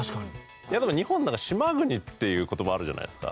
日本なんか島国っていう言葉あるじゃないですか。